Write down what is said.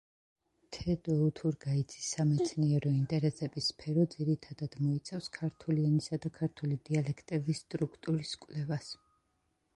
თედო უთურგაიძის სამეცნიერო ინტერესების სფერო ძირითადად მოიცავს ქართული ენისა და ქართული დიალექტების სტრუქტურის კვლევას.